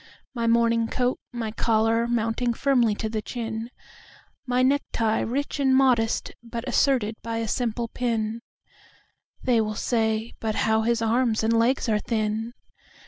My morning coat, my collar mounting firmly to the chin, My necktie rich and modest, but asserted by a simple pin—(They will say: "But how his arms and legs are thin!")